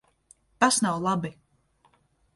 Tas nav labi.